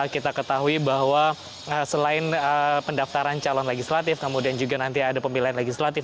kita ketahui bahwa selain pendaftaran calon legislatif kemudian juga nanti ada pemilihan legislatif